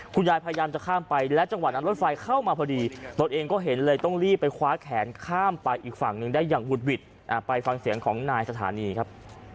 พยายามจะข้ามไปและจังหวะนั้นรถไฟเข้ามาพอดีตนเองก็เห็นเลยต้องรีบไปคว้าแขนข้ามไปอีกฝั่งหนึ่งได้อย่างหุดหวิดไปฟังเสียงของนายสถานีครับ